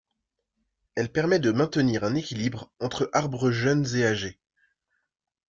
Elle permet de maintenir un équilibre entre arbres jeunes et âgés.